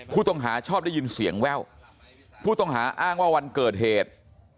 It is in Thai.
ผู้ต้องหาชอบได้ยินเสียงแว่วผู้ต้องหาอ้างว่าวันเกิดเหตุ